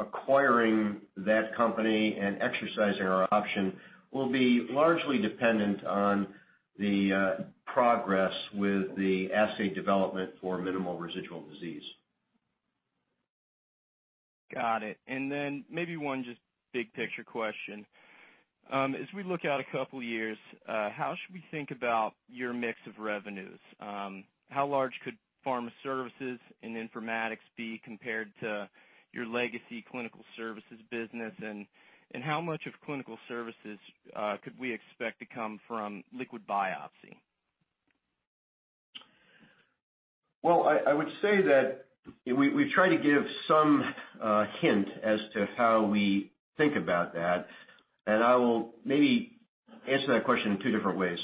acquiring that company and exercising our option will be largely dependent on the progress with the assay development for minimal residual disease. Maybe one just big picture question. As we look out a couple years, how should we think about your mix of revenues? How large could pharma services and informatics be compared to your legacy clinical services business, and how much of clinical services could we expect to come from liquid biopsy? I would say that we've tried to give some hint as to how we think about that, and I will maybe answer that question in two different ways.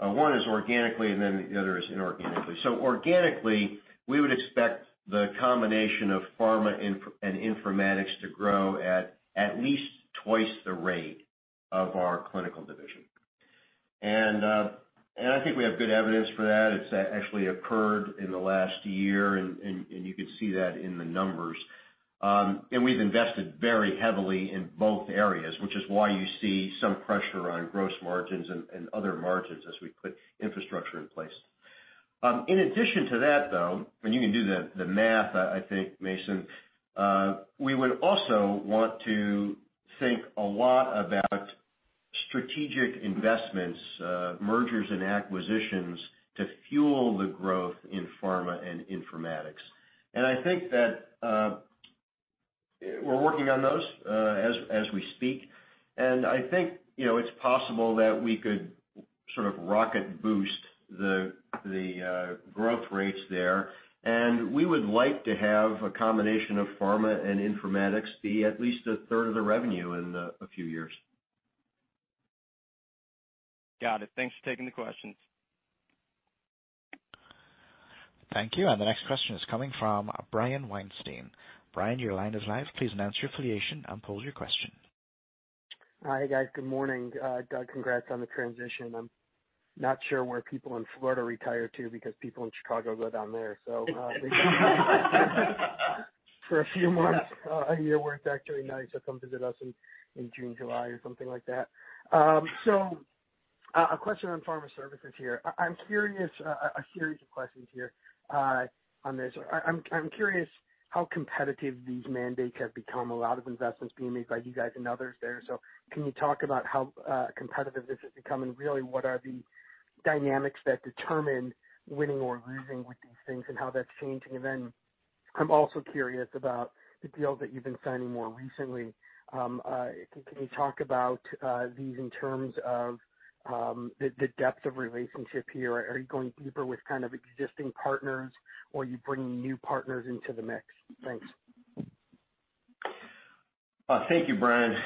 One is organically, and then the other is inorganically. Organically, we would expect the combination of Pharma and Informatics to grow at least twice the rate of our Clinical division. I think we have good evidence for that. It's actually occurred in the last year, and you could see that in the numbers. We've invested very heavily in both areas, which is why you see some pressure on gross margins and other margins as we put infrastructure in place. In addition to that, though, and you can do the math, I think, Mason, we would also want to think a lot about strategic investments, mergers and acquisitions to fuel the growth in Pharma and Informatics. I think that we're working on those as we speak, I think it's possible that we could sort of rocket boost the growth rates there. We would like to have a combination of pharma and informatics be at least a third of the revenue in a few years. Thanks for taking the questions. Thank you. The next question is coming from Brian Weinstein. Brian, your line is live. Please announce your affiliation and pose your question. Hi, guys. Good morning. Doug, congrats on the transition. I'm not sure where people in Florida retire to because people in Chicago go down there. For a few months, a year where it's actually nice, I'll come visit us in June, July, or something like that. A question on pharma services here. A series of questions here on this. I'm curious how competitive these mandates have become, a lot of investments being made by you guys and others there. Can you talk about how competitive this has become, and really, what are the dynamics that determine winning or losing with these things and how that's changing? I'm also curious about the deals that you've been signing more recently. Can you talk about these in terms of the depth of relationship here? Are you going deeper with kind of existing partners, or are you bringing new partners into the mix? Thanks. Thank you, Brian.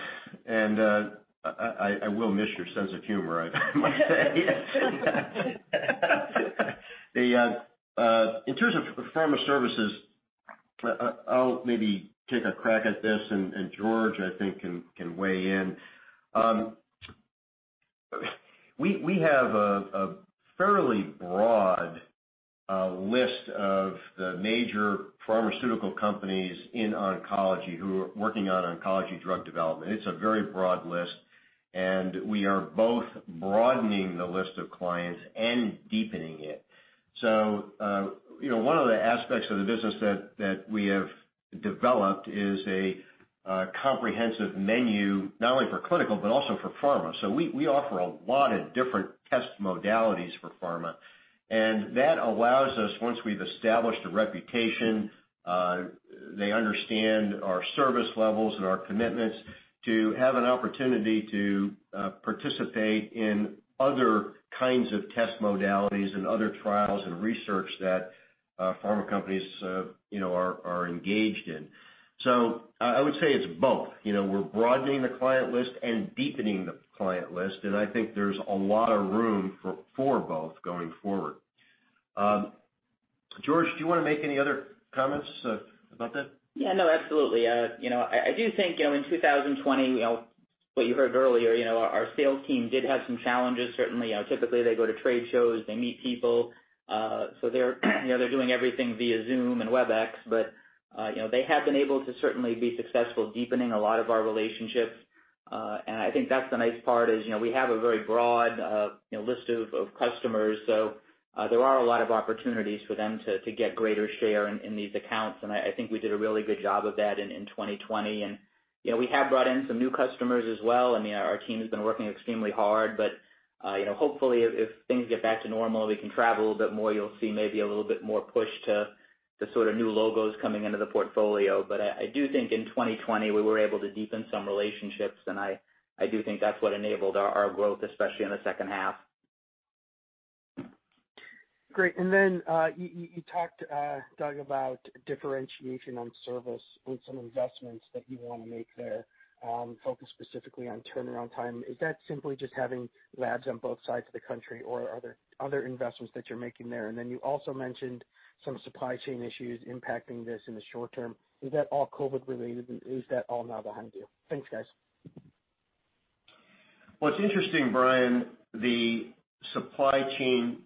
I will miss your sense of humor, I must say. In terms of Pharma Services, I'll maybe take a crack at this, and George, I think, can weigh in. We have a fairly broad list of the major pharmaceutical companies in oncology who are working on oncology drug development. It's a very broad list. We are both broadening the list of clients and deepening it. One of the aspects of the business that we have developed is a comprehensive menu, not only for clinical, but also for pharma. We offer a lot of different test modalities for pharma, and that allows us, once we've established a reputation, they understand our service levels and our commitments to have an opportunity to participate in other kinds of test modalities and other trials and research that pharma companies are engaged in. I would say it's both. We're broadening the client list and deepening the client list, and I think there's a lot of room for both going forward. George, do you want to make any other comments about that? Absolutely. I do think in 2020, what you heard earlier, our sales team did have some challenges, certainly. Typically, they go to trade shows, they meet people. They're doing everything via Zoom and Webex, but they have been able to certainly be successful deepening a lot of our relationships. I think that's the nice part is we have a very broad list of customers. There are a lot of opportunities for them to get greater share in these accounts, and I think we did a really good job of that in 2020. We have brought in some new customers as well, and our team has been working extremely hard. Hopefully if things get back to normal, we can travel a little bit more, you'll see maybe a little bit more push to sort of new logos coming into the portfolio. I do think in 2020, we were able to deepen some relationships, and I do think that's what enabled our growth, especially in the second half. You talked, Doug, about differentiation on service and some investments that you want to make there, focused specifically on turnaround time. Is that simply just having labs on both sides of the country or are there other investments that you're making there? You also mentioned some supply chain issues impacting this in the short term. Is that all COVID related, and is that all now behind you? Thanks, guys. It's interesting, Brian, the supply chain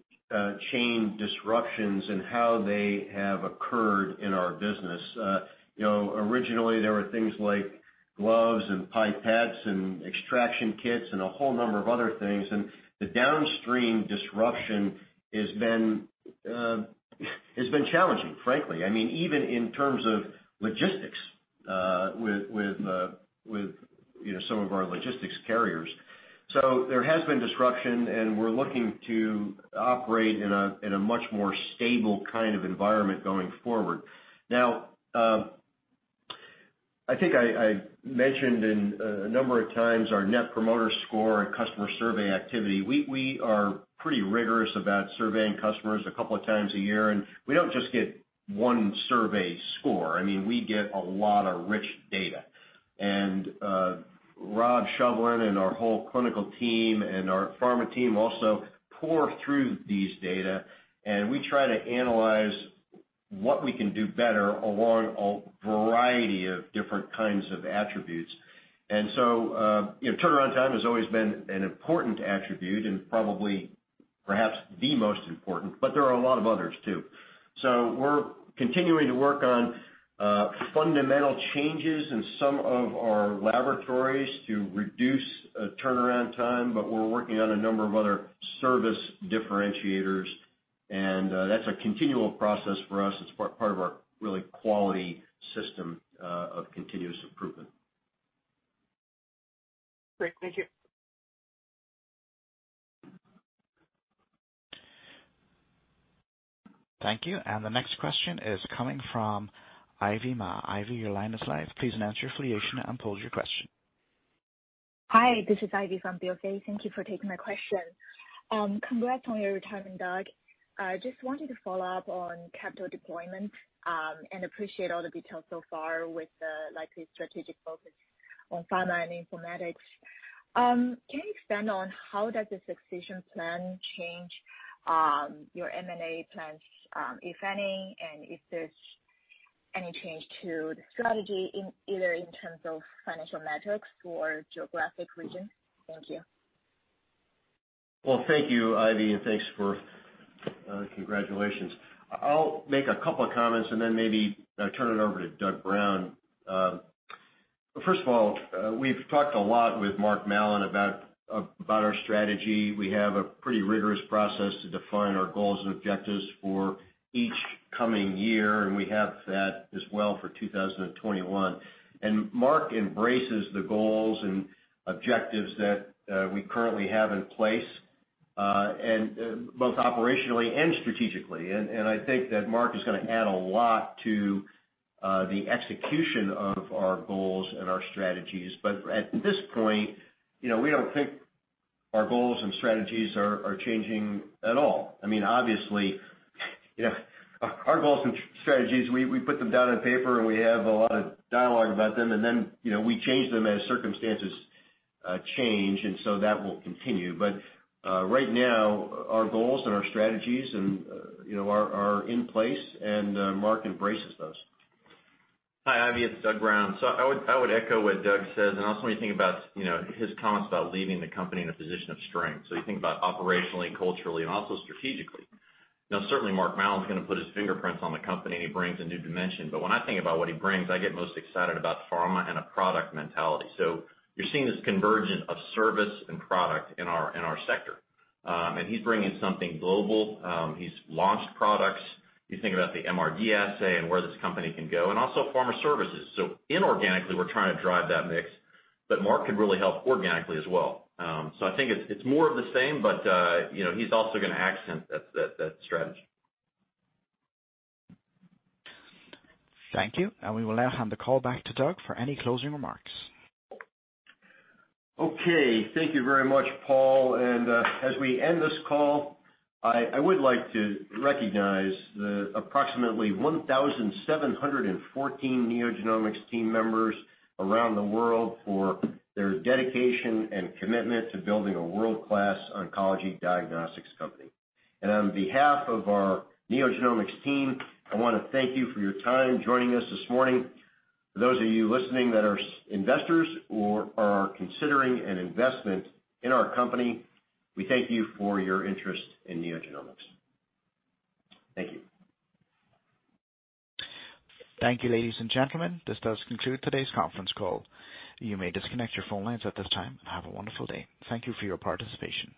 disruptions and how they have occurred in our business. Originally there were things like gloves and pipettes and extraction kits and a whole number of other things, and the downstream disruption has been challenging, frankly. Even in terms of logistics with some of our logistics carriers. There has been disruption, and we're looking to operate in a much more stable kind of environment going forward. I think I mentioned a number of times our Net Promoter Score and customer survey activity. We are pretty rigorous about surveying customers a couple of times a year, and we don't just get one survey score. We get a lot of rich data. Rob Shovlin and our whole clinical team and our pharma team also pore through these data, and we try to analyze what we can do better along a variety of different kinds of attributes. Turnaround time has always been an important attribute, and probably perhaps the most important, but there are a lot of others, too. We're continuing to work on fundamental changes in some of our laboratories to reduce turnaround time, but we're working on a number of other service differentiators, and that's a continual process for us. It's part of our really quality system of continuous improvement. Thank you. Thank you. The next question is coming from Ivy Ma. Ivy, your line is live. Please state your affiliation and pose your question. Hi, this is Ivy from BofA. Thank you for taking my question. Congrats on your retirement, Doug. Just wanted to follow up on capital deployment, and appreciate all the details so far with the likely strategic focus on pharma and informatics. Can you expand on how does the succession plan change your M&A plans, if any, and if there's any change to the strategy, either in terms of financial metrics or geographic regions? Thank you. Well, thank you, Ivy, and thanks for the congratulations. I'll make a couple of comments and then maybe I'll turn it over to Doug Brown. First of all, we've talked a lot with Mark Mallon about our strategy. We have a pretty rigorous process to define our goals and objectives for each coming year, and we have that as well for 2021. Mark embraces the goals and objectives that we currently have in place, both operationally and strategically. I think that Mark is going to add a lot to the execution of our goals and our strategies. At this point, we don't think our goals and strategies are changing at all. Obviously, our goals and strategies, we put them down on paper and we have a lot of dialogue about them, and then we change them as circumstances change, and so that will continue. Right now, our goals and our strategies are in place and Mark embraces those. Hi, Ivy, it's Doug Brown. I would echo what Doug says, and also when you think about his comments about leaving the company in a position of strength, you think about operationally, culturally, and also strategically. Certainly Mark Mallon's going to put his fingerprints on the company, and he brings a new dimension. When I think about what he brings, I get most excited about pharma and a product mentality. You're seeing this convergence of service and product in our sector. He's bringing something global. He's launched products. You think about the MRD assay and where this company can go, and also pharma services. Inorganically, we're trying to drive that mix, but Mark could really help organically as well. I think it's more of the same, but he's also going to accent that strategy. Thank you. We will now hand the call back to Doug for any closing remarks. Thank you very much, Paul. As we end this call, I would like to recognize the approximately 1,714 NeoGenomics team members around the world for their dedication and commitment to building a world-class oncology diagnostics company. On behalf of our NeoGenomics team, I want to thank you for your time joining us this morning. For those of you listening that are investors or are considering an investment in our company, we thank you for your interest in NeoGenomics. Thank you. Thank you, ladies and gentlemen. This does conclude today's conference call. You may disconnect your phone lines at this time. Have a wonderful day. Thank you for your participation.